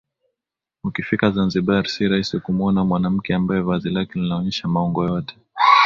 Ukifika Zanzibar si rahisi kumuona mwanamke ambaye vazi lake linaonyesha maungo yake